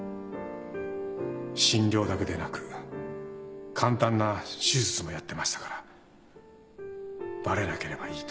診療だけでなく簡単な手術もやってましたからバレなければいいと。